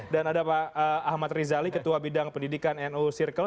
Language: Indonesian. dan ada pak ahmad rizali ketua bidang pendidikan no circle